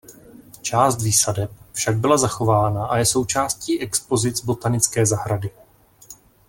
Část výsadeb však byla zachována a je součástí expozic botanické zahrady.